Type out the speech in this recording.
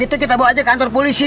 kita bisa bawa aja ke kantor polisi